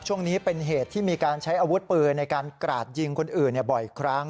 ช่วงนี้เป็นเหตุที่มีการใช้อาวุธปืนในการกราดยิงคนอื่นบ่อยครั้ง